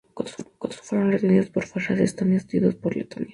Cuatro fueron retenidos por fuerzas estonias y dos por Letonia.